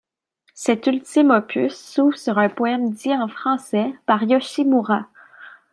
Cet ultime opus s'ouvre sur un poème dit en français par Yoshimura.